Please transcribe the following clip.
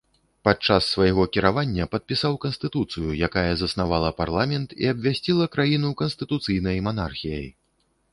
Падчас свайго кіравання падпісаў канстытуцыю, якая заснавала парламент і абвясціла краіну канстытуцыйнай манархіяй.